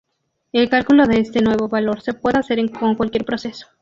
El cálculo de este nuevo valor se puede hacer con cualquier proceso.